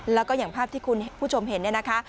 แล้วก็อย่างภาพที่คุณผู้ชมเห็นเนี่ยนะคะ